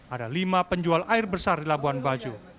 ada lima penjual air besar di labuan bajo